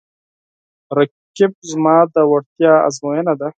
رقیب زما د وړتیا ازموینه ده